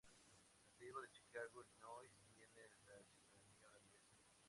El nativo de Chicago, Illinois tiene la ciudadanía holandesa.